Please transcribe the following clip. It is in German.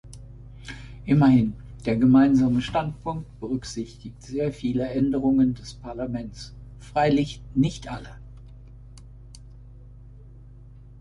Immerhin: Der Gemeinsame Standpunkt berücksichtigt sehr viele Änderungen des Parlaments, freilich nicht alle.